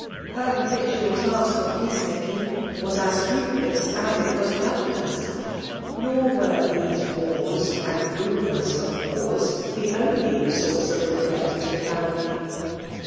* Her habitual task of pcac^ '' ioiiiitig was as firuitless as it was hazarckms.' ' liot wcre'&ese wars and lumoura of waars the only source of regpret to the faoiily.